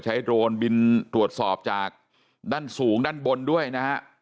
โดรนบินตรวจสอบจากด้านสูงด้านบนด้วยนะฮะ